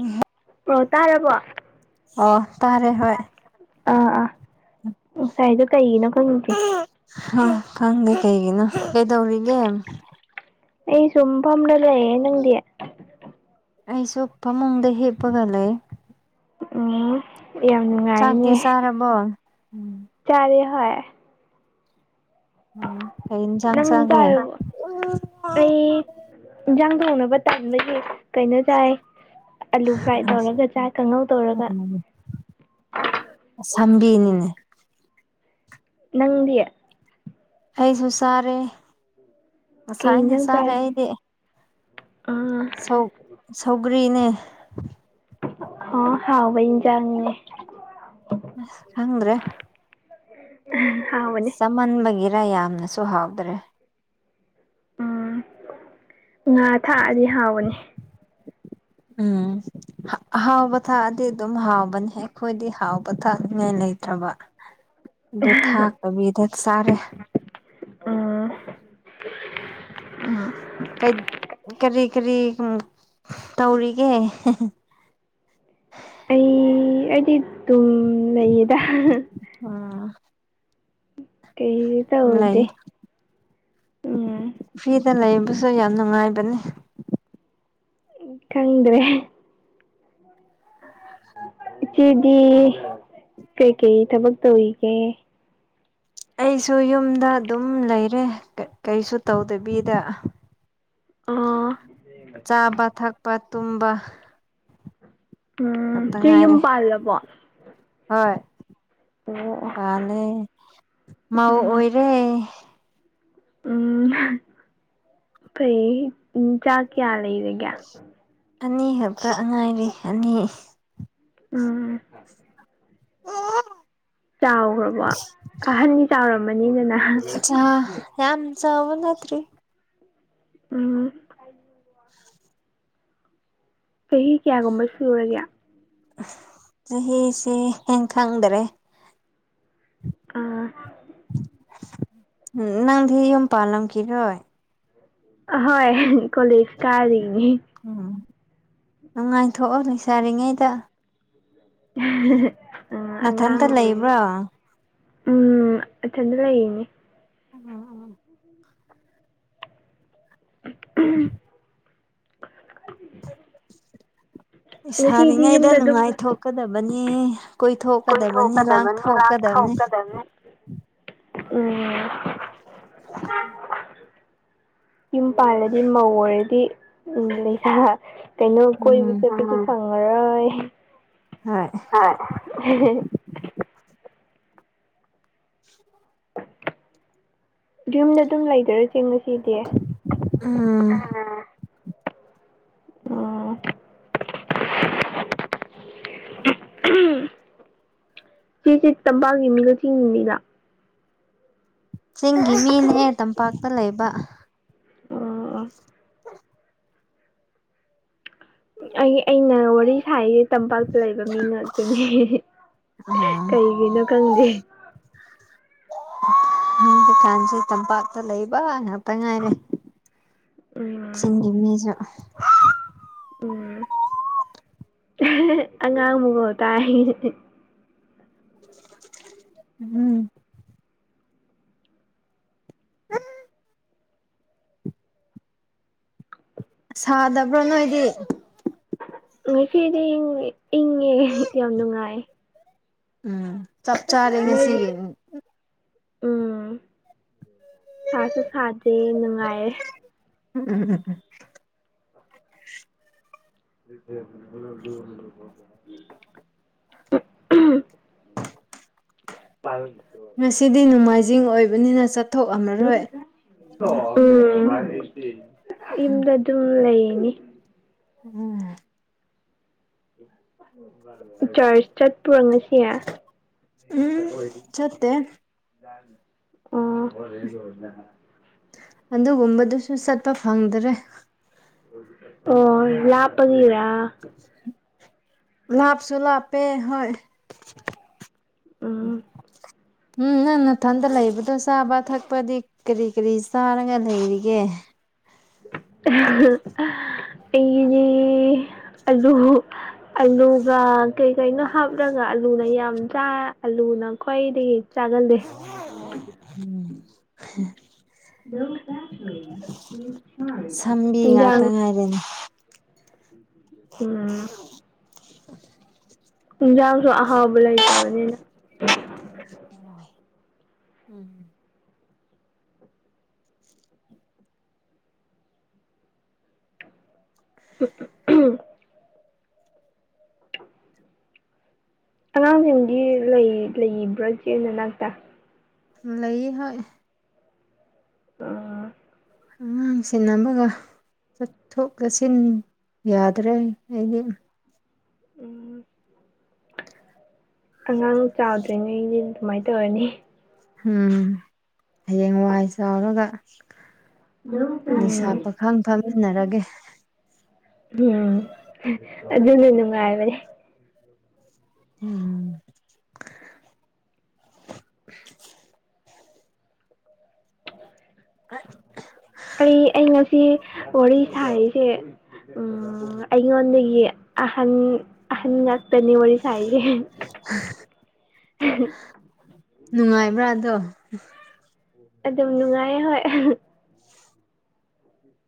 ꯎꯝ ꯄꯣ ꯇꯥꯔꯔꯕꯣ ꯑꯣ ꯇꯔꯦ ꯍꯣꯏ ꯉꯁꯥꯏꯁꯨ ꯀꯩꯒꯤꯅꯣ ꯈꯪꯁꯦ ꯍ ꯈꯪꯦ ꯀꯩꯒꯤꯅ ꯀꯗꯧꯔꯤꯒ ꯑꯩ ꯁꯨꯝ ꯐꯂꯗ ꯅꯪꯗꯤ ꯑꯩꯁꯨꯣ ꯐꯃꯨꯡꯗ ꯍꯦꯞꯄꯒ ꯂꯩꯦ ꯎꯝ ꯌꯥꯝ ꯆꯥꯛꯇꯤ ꯅꯨꯡꯉꯥꯏꯅꯦ ꯆꯥꯔꯕꯣ ꯎꯝ ꯆꯥꯔꯦ ꯍꯣꯏ ꯀꯩ ꯏꯟꯁꯥꯡ ꯆꯥꯒꯦ ꯅꯪꯅꯤꯗꯔ ꯑꯩ ꯏꯟꯁꯥꯡꯗ ꯎꯅꯕ ꯇꯝꯂꯒꯦ ꯀꯩꯅꯣ ꯆꯥꯏ ꯑꯂꯨ ꯐ꯭ꯔꯥꯏ ꯇꯧꯔꯒ ꯆꯥꯏ ꯀꯥꯡꯉꯧ ꯇꯧꯔꯒ ꯁꯝꯕꯤꯅꯤꯅꯦ ꯅꯪꯗꯤ ꯑꯩꯁꯨ ꯆꯥꯔꯦ ꯉꯁꯥꯏ ꯀꯩ ꯑꯩꯅ ꯏꯟꯖꯥꯡ ꯆꯥꯔꯦ ꯑꯩꯗꯤ ꯑꯥ ꯒ꯭ꯔꯤꯅꯤ ꯑ ꯍꯥꯎ ꯋꯥꯅ ꯆꯅꯤꯡꯦ ꯑꯁ ꯈꯗ꯭ꯔꯦ ꯎ ꯆꯃꯟꯕꯒꯤꯔꯥ ꯌꯥꯝꯅꯁꯨ ꯍꯥꯎꯗ꯭ꯔꯦ ꯎꯝ ꯉꯥ ꯊꯥꯛꯑꯗꯤ ꯍꯥꯎꯕꯅꯤ ꯎꯝ ꯍꯥꯎꯕ ꯊꯥꯛꯗꯤ ꯑꯗꯨꯝ ꯍꯥꯎꯕꯅꯦꯍ ꯑꯩꯈꯣꯏꯗꯤ ꯍꯥꯎꯕ ꯄꯣꯊꯥꯅꯤꯡꯉꯥꯏ ꯂꯩꯇ꯭ꯔꯕ ꯑꯗꯨ ꯊꯥꯛꯇꯕꯤꯗ ꯆꯥꯔꯦ ꯎꯝ ꯎꯝ ꯀꯩ ꯀꯔꯤ ꯀꯔꯤ ꯇꯧꯔꯤꯒꯦ ꯑꯩ ꯑꯩꯗꯤ ꯇꯨꯝ ꯂꯩꯌꯦꯗ ꯎꯝ ꯀꯩꯁꯨ ꯂꯩ ꯇꯧꯗꯦ ꯎꯝ ꯐꯔ ꯁꯤꯗ ꯂꯩꯕꯁꯨ ꯌꯥꯝ ꯅꯨꯡꯉꯥꯏꯕꯅꯤ ꯈꯪꯗ꯭ꯔꯦ ꯑ [unintelligible] ꯏꯆꯦꯗꯤ ꯀꯩꯀꯩ ꯊꯕꯛ ꯇꯧꯔꯤꯒꯦ ꯑꯩꯁꯨ ꯌꯨꯝꯗ ꯑꯗꯨꯝ ꯂꯩꯔꯦ ꯀꯔꯤꯁꯨ ꯇꯧꯗꯕꯤꯗ ꯑꯥ ꯆꯥꯕ ꯊꯛꯄ ꯇꯨꯝꯕ ꯎꯝ ꯈꯛꯇ ꯀꯦ ꯌꯨꯝ ꯉꯥꯏꯔꯦ ꯄꯥꯜꯂꯕꯣ ꯑꯣ ꯑꯣ ꯐꯅꯦ ꯃꯥ ꯎꯝ ꯑꯣꯏꯔꯦ ꯎꯝ ꯐꯩ ꯎ ꯆꯥꯛ ꯀꯌꯥ ꯂꯩꯔꯒꯦ ꯑꯅꯤ ꯈꯛꯇ ꯑꯉꯥꯏꯔꯤ ꯑꯅꯤ ꯎꯝ ꯆꯥꯎꯈ꯭ꯔꯕꯣ ꯑꯍꯟꯅꯤ ꯆꯥꯎꯔꯝꯃꯅꯤꯗꯅ ꯆꯥ ꯌꯥꯝ ꯆꯥꯎꯕ ꯅꯠꯇ꯭ꯔꯤ ꯎꯝ ꯆꯍꯤ ꯀꯌꯥꯒꯨꯝꯕ ꯁꯨꯔꯒꯦ ꯆꯍꯤꯁꯤꯦ ꯈꯪꯗꯔꯦ ꯑꯥ ꯎꯝ ꯅꯪ ꯝ ꯄꯥꯂꯂꯝ ꯀꯔꯣꯣꯏ ꯍꯣꯏ ꯀꯣꯂꯦꯖ ꯀꯥꯔꯤꯅꯤ ꯎꯝ ꯅꯨꯡꯉꯥꯏꯊꯣꯛꯑꯣ ꯂꯩꯏꯁꯥꯔꯤꯉꯩꯗ ꯑꯥ, ꯃꯊꯟꯇ ꯑꯉꯥꯡ ꯑꯣꯏꯔꯤ ꯂꯩꯕ꯭ꯔꯥ ꯎꯝ ꯏꯊꯜꯗꯥ ꯂꯩꯅꯤ ꯎꯝ ꯎꯝ [inaudible] [unintelligible] ꯎ [unintelligible] [inaudible] [unintelligible] ꯉꯁꯤꯗꯤ ꯁꯥꯔꯤꯉꯩꯗ ꯌꯨꯝꯗ ꯑꯗꯨꯝ ꯅꯨꯡꯉꯥꯏꯊꯣꯛꯀꯗꯕꯅꯤ ꯀꯣꯏꯊꯣꯛꯀꯗꯕꯅꯤ ꯂꯥꯡꯊꯣꯛꯀꯗꯕꯅꯤ ꯎꯝ ꯌꯨꯝ ꯄꯥꯜꯂꯗꯤ ꯃꯧ ꯑꯣꯏꯔꯗꯤ ꯎꯝ ꯂꯩꯁꯥ ꯀꯩꯅꯣ ꯀꯣꯏꯕ ꯎꯝ ꯆꯠꯄꯁꯨ ꯐꯪꯉꯔꯣꯏ ꯍꯣꯏ ꯑ ꯎ [unintelligible] ꯌꯨꯝꯗ ꯑꯗꯨꯝ ꯂꯩꯖꯔꯁꯤ ꯆꯃꯤ ꯆꯗꯤꯦ ꯎꯝ ꯎꯝ ꯆꯦꯆꯦ ꯇꯝꯄꯥꯛꯒꯤ ꯑꯃꯒ ꯊꯤꯡꯅꯤꯡꯅꯤꯗ ꯆꯤꯡꯒꯤ ꯃꯤꯅꯦ ꯇꯝꯄꯥꯛꯇ ꯂꯩꯕ ꯑꯣ ꯑꯩ ꯑꯩꯅ ꯋꯥꯔꯤ ꯉꯥꯏꯒꯤ ꯇꯝꯄꯥꯛꯇ ꯂꯩꯕ ꯃꯤ ꯉꯥꯛꯇꯅꯦ ꯎꯝ ꯀꯩꯒꯤꯅꯣ ꯈꯪꯗꯦ ꯀꯥꯟꯁꯤꯩ ꯇꯝꯄꯥꯛꯇ ꯂꯩꯕ ꯉꯥꯛꯇ ꯉꯥꯏꯔꯦ ꯎꯝ ꯁꯤꯡꯒꯤ ꯏꯃꯦꯖ ꯎꯝ ꯑꯉꯥꯡꯕꯨꯀ ꯇꯥꯏ ꯎꯝ ꯎꯝ ꯁꯥꯗꯕ꯭ꯔꯣ ꯅꯣꯏꯗꯤ ꯉꯣꯏ ꯐꯦꯗꯤ ꯏꯪꯉꯦ ꯌꯥꯝ ꯅꯨꯡꯉꯥꯏ ꯎꯝ ꯆꯞ ꯆꯥꯔꯉ ꯁꯤ ꯅꯣꯏꯗꯤ ꯎꯝ ꯁꯥꯁꯨ ꯁꯥꯗꯦ ꯅꯨꯡꯉꯥꯏꯔꯦ ꯎꯝ ꯨꯂꯗ [unintelligible] [unintelligible] ꯉꯁꯤꯗꯤ ꯅꯣꯡꯃꯥꯏꯖꯤꯡ ꯑꯣꯏꯕꯅꯤꯅ ꯆꯠꯊꯣꯛꯑꯝꯃꯔꯣꯏ ꯎꯝ ꯌꯨꯝꯗ ꯑꯗꯨꯝ ꯂꯩꯅꯤ ꯎꯝ ꯆꯔꯆ ꯄꯨꯔꯪꯅꯁꯤꯦ ꯎꯝ ꯆꯠꯇꯦ ꯑ ꯑꯗꯨꯒꯨꯝꯕꯗꯨꯁꯨ ꯆꯠꯄ ꯐꯪꯗ꯭ꯔꯦ ꯑꯣ ꯂꯥꯄꯒꯤꯔ ꯂꯥꯚ ꯆꯂꯄꯦ ꯍ ꯎꯝ ꯎꯝ ꯅꯪ ꯃꯊꯟꯗ ꯂꯩꯕꯗꯣ ꯆꯥꯕ ꯊꯛꯄꯗꯤ ꯀꯔꯤ ꯀꯔꯤ ꯆꯥꯔꯒ ꯂꯩꯔꯤꯒꯦ ꯑꯩꯖꯤ ꯑꯂꯨ ꯑꯂꯨꯒ ꯀꯩꯀꯩꯅꯣ ꯍꯥꯞꯂꯒ ꯑꯥꯂꯨꯅ ꯌꯥꯝ ꯆꯥꯏ ꯑꯂꯨ ꯈ꯭ꯋꯥꯏꯗꯒꯤ ꯆꯥꯒꯜꯗꯦ ꯎꯝ [unintelligible] ꯁꯝꯕꯤ ꯏꯟꯖꯥꯡ ꯉꯥꯛꯇ ꯉꯥꯏꯔꯦꯅꯤ ꯑ ꯌꯦꯟꯁꯥꯡꯁꯨ ꯑꯍꯥꯎꯕ ꯂꯩꯇꯕꯅꯤꯅ [unintelligible] ꯑꯉꯥꯡꯁꯤꯡꯗꯤ ꯂꯩ ꯂꯩꯕ꯭ꯔꯥ ꯏꯆꯦ ꯅꯅꯥꯛꯇ ꯂꯩ ꯍꯣꯏ ꯑꯥ ꯑꯉꯥꯡ ꯁꯦꯟꯅꯕꯒ ꯆꯠꯊꯣꯛ ꯆꯠꯁꯤꯟ ꯌꯥꯗ꯭ꯔꯦ ꯑꯩꯗꯤ ꯎꯝ [inaudible] ꯑꯉꯥꯡ ꯆꯥꯎꯗ꯭ꯔꯤꯉꯩꯗꯤ ꯗꯨꯃꯥꯏꯅ ꯇꯧꯔꯅꯤ ꯎꯝ ꯍꯌꯦꯡ ꯋꯥꯏ ꯆꯥꯎꯔꯒ ꯂꯩꯁꯥ ꯎꯝ ꯄꯥꯈꯪ ꯐꯝꯃꯤꯟꯅꯔꯒꯦ ꯎꯝ ꯑꯗꯨꯗꯤ ꯅꯨꯡꯉꯥꯏꯕꯅꯦ ꯎꯝ [unintelligible] [unintelligible] ꯑꯩ ꯑꯩ ꯉꯁꯤ ꯋꯥꯔꯤ ꯁꯥꯔꯤꯁꯦ ꯑꯩꯉꯣꯟꯗꯒꯤ ꯑꯍꯟ ꯑꯍꯟ ꯇꯅꯤ ꯋꯥꯔꯤꯁꯥꯏꯁꯦ ꯅꯨꯡꯉꯥꯏꯕ꯭ꯔꯥꯗꯣ ꯑꯗꯨꯝ ꯅꯨꯡꯉꯥꯏꯌꯦ ꯍꯣꯏ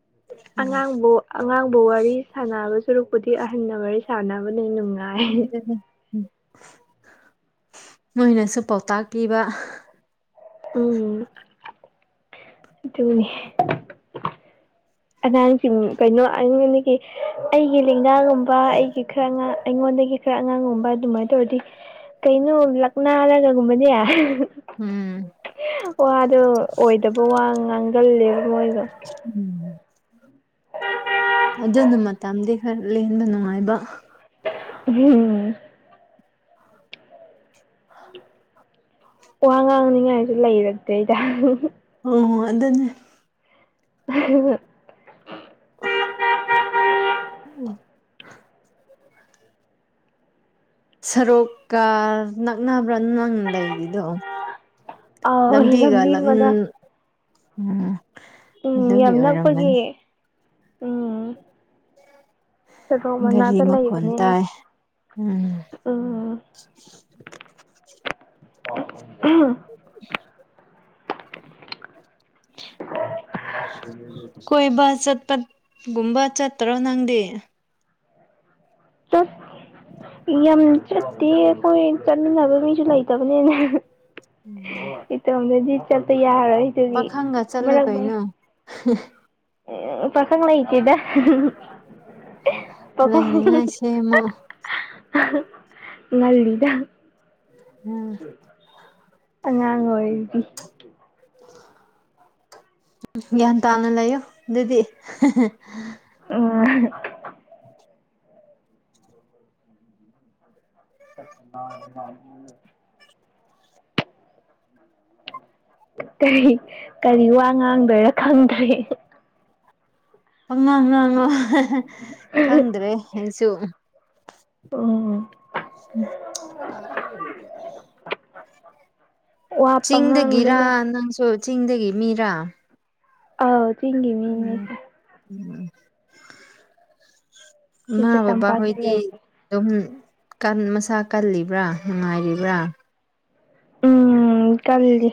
[inaudible] ꯑꯉꯥꯡꯕꯨ ꯑꯉꯥꯡꯕꯨ ꯋꯥꯔꯤ ꯁꯥꯟꯅꯕ ꯁꯨꯔꯛꯄꯨꯗꯤ ꯑꯍꯟꯅ ꯋꯥꯔꯤ ꯁꯥꯟꯅꯕꯅ ꯅꯨꯡꯉꯥꯏ ꯑꯗꯨꯗꯤ ꯃꯣꯏꯅꯁꯨ ꯄꯥꯎꯇꯥꯛ ꯄꯤꯕ ꯎꯝ ꯇꯨꯅꯤ ꯑꯉꯥꯡꯁꯤꯡ ꯀꯩꯅꯣ ꯑꯩꯉꯣꯟꯗꯒꯤ ꯑꯩꯒꯤ ꯂꯦꯡꯅꯥꯒꯨꯝꯕ ꯑꯩꯒꯤ ꯈꯔ ꯑꯩꯉꯣꯟꯗ ꯑꯗꯒꯤ ꯈꯔ ꯑꯉꯥꯡꯒꯨꯝꯕ ꯑꯗꯨꯃꯥꯏꯅ ꯇꯧꯔꯗꯤ ꯀꯩꯅꯣ ꯂꯛꯅꯥꯔꯒꯒꯨꯝꯕꯅꯦ ꯎꯝ ꯋꯥꯗꯣ ꯑꯣꯏꯗꯕ ꯋꯥ ꯉꯥꯡꯒꯜꯂꯦꯕ ꯃꯣꯏꯗꯣ ꯑꯗꯨꯅ ꯃꯇꯝꯗꯤ ꯈꯔ ꯂꯦꯟꯕ ꯅꯨꯡꯉꯥꯏꯕ ꯎꯝ ꯋꯥ ꯉꯥꯡꯅꯤꯉꯥꯏꯁꯨ ꯂꯩꯔꯛꯇ꯭ꯔꯦꯗ ꯑꯣ ꯑꯗꯨꯅꯦ [unintelligible] [inaudible] ꯎꯝ ꯁꯔꯨꯛꯀ ꯅꯛꯅꯕ꯭ꯔꯥꯅ ꯅꯪ ꯂꯩꯔꯤꯗꯣ ꯑꯥꯎ ꯂꯝꯕꯤꯒ ꯂꯝꯕꯤ ꯎꯝ ꯃꯅꯥꯛ ꯎꯝ ꯎꯝ ꯑꯗꯨꯒꯤ ꯌꯥꯝ ꯑꯣꯏꯔꯝꯒꯅꯤ ꯅꯛꯄꯒꯤ ꯎꯝ ꯁꯣꯔꯣꯛ ꯒꯥꯔꯤ ꯃꯅꯥꯛꯇ ꯃꯈꯣꯟ ꯂꯩꯕꯅꯤꯅ ꯇꯥꯏ ꯎꯝ ꯎꯝ [unintelligible] [inaudible] [inaudible] [inaudible] ꯀꯣꯏꯕ ꯆꯠꯄꯒꯨꯝꯕ ꯆꯠꯇꯔꯣ ꯅꯪꯗꯦ ꯆꯠ [inaudible] [inaudible] ꯌꯥꯝ ꯆꯠꯇꯦ ꯑꯩꯈꯣꯏ ꯆꯠꯃꯤꯟꯅꯕ ꯃꯤꯁꯨ ꯂꯩꯇꯕꯅꯦꯅ ꯏꯇꯣꯝꯗꯗꯤ ꯆꯠꯄ ꯌꯥꯔꯔꯣꯏꯗꯨꯒꯤ ꯄꯥꯈꯪꯒ ꯆꯠꯂꯨ ꯃꯔꯛ ꯃꯔꯛ ꯀꯩꯅꯣ [unintelligible] [inaudible] ꯎ ꯄꯈꯪ ꯂꯩꯇꯦꯗ ꯂꯩꯅꯤꯉꯥꯏ ꯁꯦꯝꯃꯣ [unintelligible] [unintelligible] ꯉꯜꯂꯤꯗꯥ꯫ ꯎꯝ ꯑꯉꯥꯡ ꯑꯣꯏꯔꯤ ꯒ꯭ꯌꯥꯟ ꯇꯥꯅ ꯂꯩꯌꯨ ꯑꯗꯨꯗꯤ ꯎꯝ [inaudible] [inaudible] [unintelligible] [unintelligible] ꯀꯔꯤ ꯀꯔꯤ ꯋꯥ ꯉꯥꯡꯗꯣꯏꯔꯥ ꯈꯪꯗ꯭ꯔꯦ ꯄꯪꯉꯥꯡ ꯉꯥꯡꯉꯣ ꯈꯪꯗ꯭ꯔꯦ ꯑꯩꯁꯨ ꯎꯝ ꯎꯝ꯫ [unintelligible] ꯋꯥ ꯆꯤꯡꯗꯒꯤꯔ ꯄꯉꯥꯡꯗꯨꯅ ꯅꯪꯁꯨ ꯆꯤꯡꯗꯒꯤ ꯃꯤꯔꯥ ꯑꯥꯎ ꯆꯤꯡꯒꯤ ꯃꯤꯅꯦ ꯎꯝ ꯏꯃꯥ ꯁꯤꯗ ꯇꯝꯄꯥꯛꯇ ꯕꯕꯥꯍꯣꯏꯗꯤ ꯂꯩꯕ ꯑꯗꯨꯝ ꯀꯜ ꯃꯁꯥ ꯀꯜꯂꯤꯕ꯭ꯔꯥ ꯅꯨꯡꯉꯥꯏꯔꯤꯕ꯭ꯔꯥ ꯎꯝ ꯀꯜꯂꯤ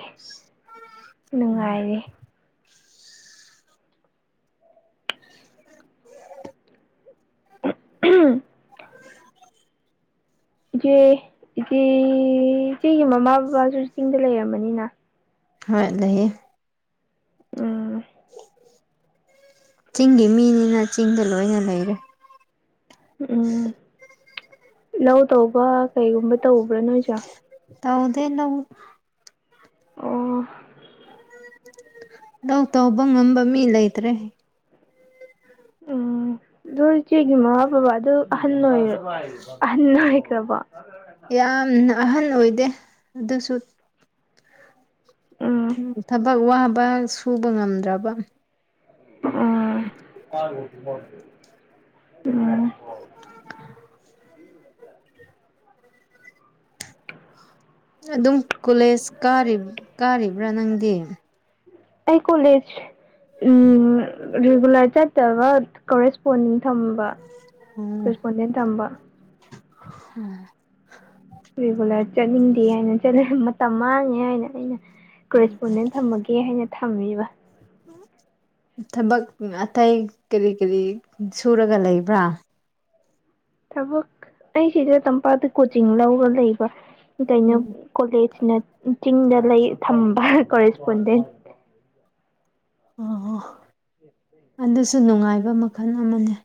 ꯅꯨꯡꯉꯥꯏꯔꯦ [unintelligible] [inaudible] [unintelligible] [inaudible] ꯏꯆꯦ ꯏꯆꯦ ꯏꯆꯦꯒꯤ ꯃꯃꯥ ꯕꯕꯥꯁꯨ ꯆꯤꯡꯗ ꯂꯩꯔꯝꯃꯅꯤꯅ ꯍꯣꯏ ꯂꯩꯌꯦ ꯎꯝ ꯆꯤꯡꯒꯤ ꯃꯤꯅꯤꯅ ꯆꯤꯡꯗ ꯂꯣꯏꯅ ꯂꯩꯔꯦ ꯎꯝ ꯂꯧ ꯇꯧꯕ ꯀꯩꯒꯨꯝꯕ ꯇꯧꯕ꯭ꯔꯥ ꯅꯣꯏꯖꯣ ꯇꯥꯎꯗꯦ ꯅꯪ ꯑꯣ ꯂꯧ ꯇꯧꯕ ꯉꯝꯕ ꯃꯤ ꯂꯩꯇ꯭ꯔꯦ ꯎꯝ ꯑꯗꯣ ꯏꯆꯦꯒꯤ ꯃꯃꯥ ꯕꯕꯥ ꯑꯗꯨ ꯑꯍꯟ ꯑꯣꯏ ꯑꯍꯟ ꯑꯣꯏꯈ꯭ꯔꯕꯣ ꯌꯥꯝꯅ ꯑꯍꯟ ꯑꯣꯏꯗꯦ ꯑꯗꯨꯁꯨ ꯎꯝ ꯊꯕꯛ ꯋꯥꯕ ꯁꯨꯕ ꯉꯝꯗ꯭ꯔꯕ ꯎꯝ ꯎꯝ ꯑꯗꯨꯝ ꯀꯣꯂꯦꯖ ꯀꯥꯔꯤꯕ꯭ꯔꯥ ꯅꯪꯗꯤ ꯑꯩ ꯀꯣꯂꯦꯖ ꯎꯝ ꯔꯤꯒꯨꯂꯔ ꯆꯠꯇꯕ ꯀꯣꯔꯦꯁꯄꯣꯟꯗꯤꯡ ꯊꯝꯕ ꯈꯨꯁꯄꯣꯟꯗꯅ ꯇꯝꯕ꯫ ꯎꯝ꯫ ꯔꯤꯒꯨꯂꯔ ꯆꯠꯅꯤꯡꯗꯦ ꯍꯥꯏꯅ ꯆꯠꯂꯦ ꯃꯇꯝ ꯃꯥꯡꯉꯦ ꯍꯥꯏꯅ ꯑꯩꯅ꯫ ꯀꯦꯁꯄꯣꯟꯗꯦꯟ ꯊꯝꯃꯒꯦ ꯍꯥꯏꯅ ꯊꯝꯃꯤꯕ꯫ ꯊꯕꯛ ꯑꯇꯩ ꯀꯔꯤ ꯀꯔꯤ ꯁꯨꯔꯒ ꯂꯩꯕ꯭ꯔꯥ꯫ ꯊꯕꯛ ꯑꯩꯁꯤꯗ ꯇꯝꯄꯥꯛꯇ ꯀꯣꯆꯤꯡ ꯂꯧꯔ ꯂꯩꯕ ꯀꯩꯅꯣ ꯀꯣꯂꯦꯖ꯫ ꯆꯤꯡꯗ ꯂꯩ ꯊꯝꯕ ꯀꯤꯔꯦꯁꯄꯣꯟꯗꯦꯟ꯫ ꯑ ꯑꯗꯨꯁꯨ ꯅꯨꯡꯉꯥꯏꯕ ꯃꯈꯜ ꯑꯃꯅꯦ꯫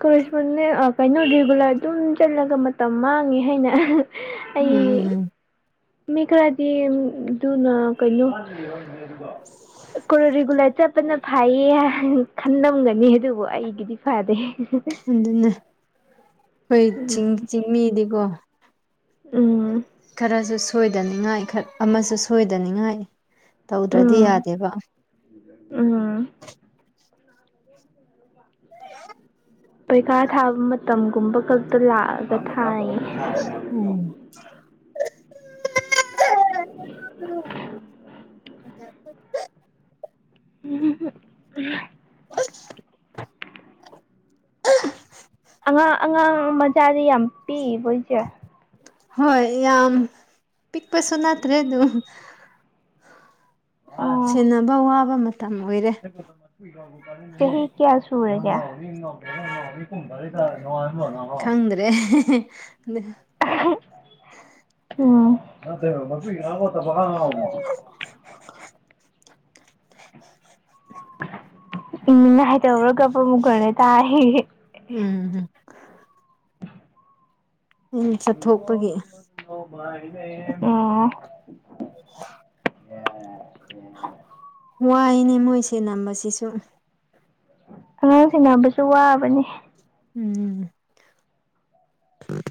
ꯀꯣꯔꯦꯁꯄꯣꯟꯅꯦ ꯀꯩꯅꯣ ꯔꯤꯒꯨꯂꯔ ꯑꯗꯨꯝ ꯆꯠꯂꯒ ꯃꯇꯝ ꯃꯥꯡꯉꯦ ꯍꯥꯏꯅ꯫ ꯑꯩ ꯎꯝ꯫ ꯃꯤ ꯈꯔꯗꯤ ꯑꯗꯨꯅ ꯀꯩꯅꯣ꯫ ꯀꯦꯔꯤꯒꯨꯂꯦꯇꯔ꯫ ꯐꯩꯌꯦ ꯈꯟꯂꯝꯒꯅꯤ ꯑꯗꯨꯕꯨ ꯑꯩꯒꯤꯗꯤ ꯐꯗꯦ꯫ ꯑꯗꯨꯅꯦ ꯈꯣꯏ ꯎꯝ ꯆꯤꯡ ꯆꯤꯡꯃꯤꯗꯤꯀꯣ꯫ ꯎꯝ꯫ ꯈꯔꯁꯨ ꯁꯣꯏꯗꯅꯤꯡꯉꯥꯏ ꯑꯃꯁꯨ ꯁꯣꯏꯗꯅꯤꯡꯉꯥꯏ ꯇꯧꯗ꯭ꯔꯗꯤ ꯌꯥꯗꯦꯕ ꯑ ꯄꯩꯈꯥ ꯊꯥꯕ ꯃꯇꯝꯒꯨꯝꯕ ꯈꯛꯇ ꯂꯥꯛꯑꯒ ꯊꯥꯏ ꯎꯝ [unintelligible] [unintelligible] ꯎ [unintelligible] ꯑꯉꯥꯡ ꯑꯉꯥꯡ ꯃꯆꯥꯗꯤ ꯌꯥꯝ ꯄꯤꯛꯏꯕꯣꯏꯁꯦ ꯍꯣꯏ ꯌꯥꯝ ꯄꯤꯛꯄꯁꯨ ꯅꯠꯇ꯭ꯔꯦ ꯑꯗꯨꯝ ꯑꯣ ꯁꯦꯟꯅꯕ ꯋꯥꯕ ꯃꯇꯝ ꯑꯣꯏꯔꯦ ꯆꯍꯤ ꯀꯌꯥ ꯇꯨꯔꯨꯝꯗ ꯈꯪꯗ꯭ꯔꯦ ꯎꯝꯕ ꯏ ꯥꯏ ꯇꯧꯔꯒꯞꯄ ꯑꯃꯨꯛ ꯈꯅ ꯇꯥꯏ ꯎꯝ ꯎꯝ ꯆꯠꯊꯣꯛꯄꯒꯤ ꯑꯣ [unintelligible] ꯋꯥꯏꯅꯦ ꯃꯣꯏꯁꯦ ꯅꯝꯕꯁꯤꯁꯨ ꯑꯉꯥꯡ ꯁꯅꯕꯁꯨ ꯋꯥꯕꯅꯦ ꯎꯝ ꯎꯝ